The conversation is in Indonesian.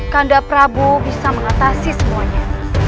kandap prabu bisa mengatasi semuanya